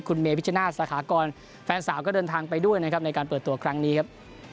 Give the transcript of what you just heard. คุณเมพิชนาศสถากรแฟนสาวก็เดินทางไปด้วยนะครับในการเปิดตัวครั้งนี้ครับ